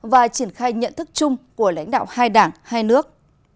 và triển khai nhận thức chung của lãnh đạo hai đảng hai nước